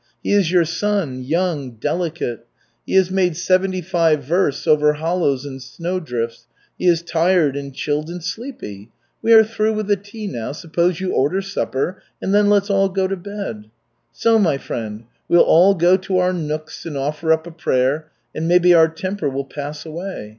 He is your son, young, delicate. He has made seventy five versts over hollows and snow drifts, he is tired, and chilled, and sleepy. We are through with the tea now, suppose you order supper and then let's all go to bed. So, my friend. We'll all go to our nooks and offer up a prayer, and maybe our temper will pass away.